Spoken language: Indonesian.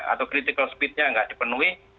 atau critical speednya nggak dipenuhi